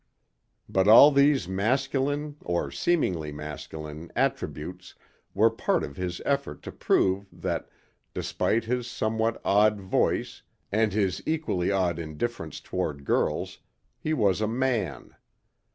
But all these masculine, or seemingly masculine attributes were part of his effort to prove that, despite his somewhat odd voice and his equally odd indifference toward girls, he was a man.